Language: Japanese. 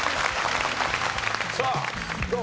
さあどう？